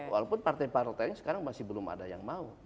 walaupun partai partainya sekarang masih belum ada yang mau